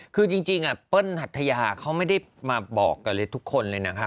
คือจริงเปิ้ลหัทยาเขาไม่ได้มาบอกกันเลยทุกคนเลยนะคะ